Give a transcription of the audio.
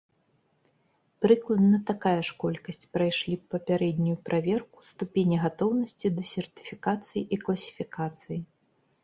Прыкладна такая ж колькасць прайшлі папярэднюю праверку ступені гатоўнасці да сертыфікацыі і класіфікацыі.